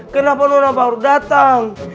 kenapa nona baru datang